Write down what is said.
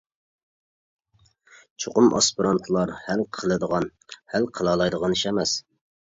چوقۇم ئاسپىرانتلار ھەل قىلىدىغان، ھەل قىلالايدىغان ئىش ئەمەس.